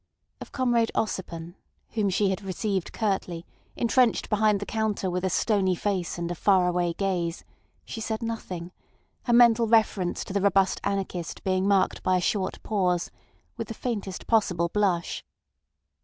Of Comrade Ossipon, whom she had received curtly, entrenched behind the counter with a stony face and a faraway gaze, she said nothing, her mental reference to the robust anarchist being marked by a short pause, with the faintest possible blush.